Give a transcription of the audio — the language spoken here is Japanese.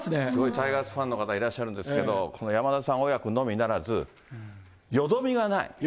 タイガースファンの方いらっしゃるんですけど、このやまださん親子のみならず、よどみがない。